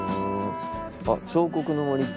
あっ彫刻の森って。